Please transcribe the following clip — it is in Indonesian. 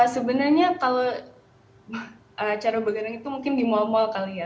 sebenarnya kalau acara begadang itu mungkin di mal mal kali ya